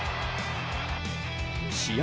試合